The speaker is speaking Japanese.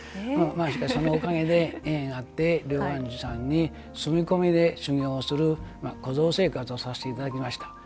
しかし、そのおかげで縁あって、龍安寺さんに住み込みで修行をする小僧生活をさせていただきました。